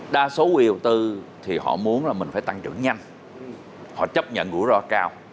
đa số quỹ đầu tư thì họ muốn là mình phải tăng trưởng nhanh họ chấp nhận rủi ro cao